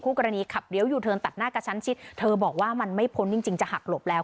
กรณีขับเลี้ยยูเทิร์นตัดหน้ากระชั้นชิดเธอบอกว่ามันไม่พ้นจริงจริงจะหักหลบแล้ว